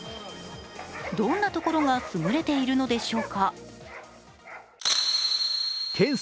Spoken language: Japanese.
どんなところが優れているのでしょうか。